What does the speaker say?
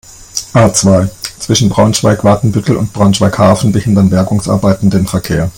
A-zwei, zwischen Braunschweig-Watenbüttel und Braunschweig-Hafen behindern Bergungsarbeiten den Verkehr.